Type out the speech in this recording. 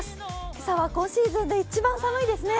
今朝は今シーズンで一番寒いですね。